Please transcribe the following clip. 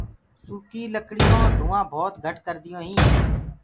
سوڪيٚ لڪڙيونٚ ڌوآنٚ ڀوت گھٽ ڪرديونٚ هينٚ۔